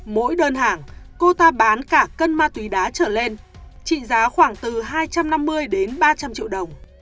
mỗi đơn hàng cô ta bán cả cân ma túy đá trở lên trị giá khoảng từ hai trăm năm mươi đến ba trăm linh triệu đồng